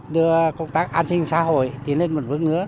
đưa công tác đưa công tác đưa công tác đưa công tác đưa công tác đưa công tác